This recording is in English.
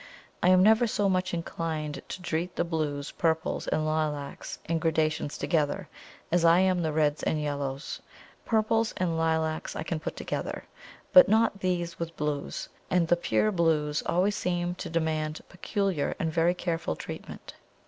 I am never so much inclined to treat the blues, purples, and lilacs in gradations together as I am the reds and yellows. Purples and lilacs I can put together, but not these with blues; and the pure blues always seem to demand peculiar and very careful treatment.